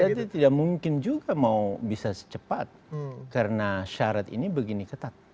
berarti tidak mungkin juga mau bisa secepat karena syarat ini begini ketat